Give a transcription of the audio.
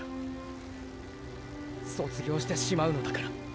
卒業してしまうのだから。